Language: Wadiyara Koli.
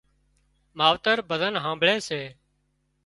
ماوتر ڀزن هانمڀۯي سي